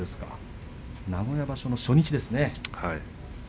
名古屋場所の初日でしたね。